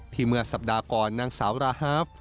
เมื่อสัปดาห์ก่อนนางสาวราฮาฟ